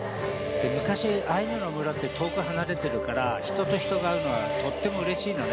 昔、アイヌの村って遠く離れてるから、人と人が会うのはとってもうれしいのね。